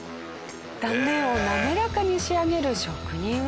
断面を滑らかに仕上げる職人技。